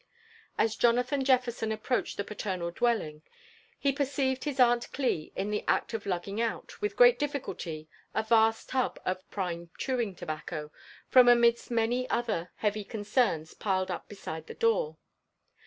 As Jonathan Jefferson approached the paternal dwelling, lie per« oeived his Aunt Cli in the act of lugging out, with great difficulty, a vast tub of *' prime chewing tobacco," from amidst many other heavy concerns piled up beside the door.